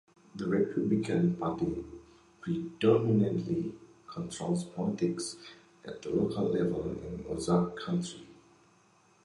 The Republican Party predominantly controls politics at the local level in Ozark County.